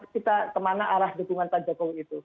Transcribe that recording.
kita kemana arah dukungan pak jokowi itu